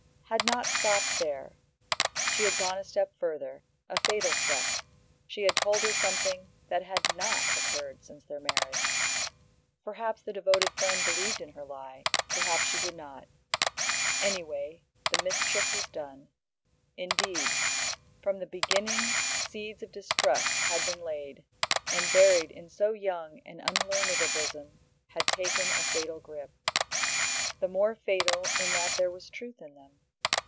had not stopped there; she had gone a step further, a fatal step; she had told her something that had not occurred since their marriage. Perhaps the devoted friend believed in her lie, perhaps she did not. Anyway, the mischief was done. Indeed, from the beginning seeds of distrust had been laid, and, buried in so young and unlearned a bosom, had taken a fatal grip. The more fatal in that there was truth in them.